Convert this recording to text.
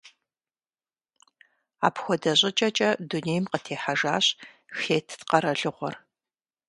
Апхуэдэ щӏыкӏэкӏэ дунейм къытехьэжащ Хетт къэралыгъуэр.